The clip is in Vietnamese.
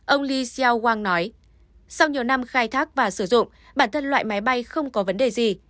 ông li xiaowang nói sau nhiều năm khai thác và sử dụng bản thân loại máy bay không có vấn đề gì